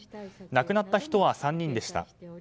亡くなった人は３人でした。